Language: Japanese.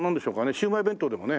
シウマイ弁当でもね。